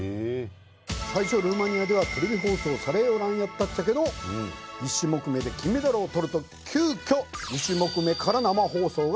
最初ルーマニアではテレビ放送されよらんやったっちゃけど１種目目で金メダルを取ると急きょ２種目目から生放送が決定！